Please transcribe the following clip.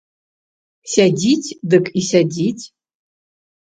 Сядзіць дык і сядзіць.